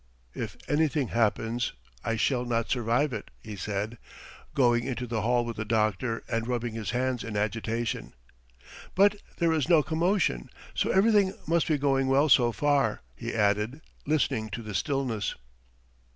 "If anything happens ... I shall not survive it," he said, going into the hall with the doctor, and rubbing his hands in agitation. "But there is no commotion, so everything must be going well so far," he added, listening in the stillness.